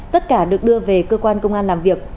tất cả được đưa về cơ quan công an làm việc